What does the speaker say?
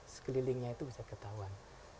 sekelilingnya itu bisa ketahuan